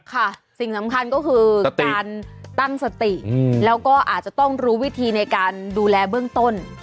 สิ่งสำคัญก็คือการตั้งสติแล้วก็อาจจะต้องรู้วิธีในการดูแลเบื้องต้น